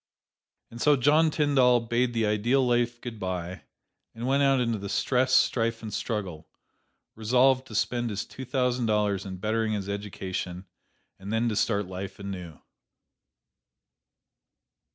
And so John Tyndall bade the ideal life good by, and went out into the stress, strife and struggle, resolved to spend his two thousand dollars in bettering his education, and then to start life anew.